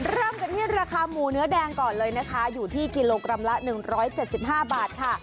เริ่มกันที่ราคาหมูเนื้อแดงก่อนเลยนะคะอยู่ที่กิโลกรัมละ๑๗๕บาทค่ะ